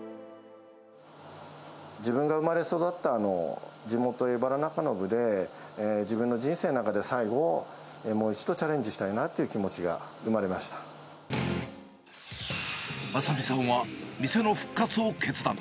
自分が生まれ育った地元、荏原中延で、自分の人生の中で最後、もう一度チャレンジしたいなという気持ち正巳さんは店の復活を決断。